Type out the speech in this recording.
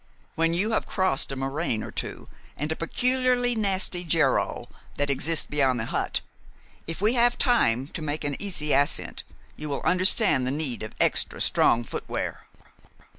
When you have crossed a moraine or two, and a peculiarly nasty geröll that exists beyond the hut, if we have time to make an easy ascent, you will understand the need of extra strong footwear."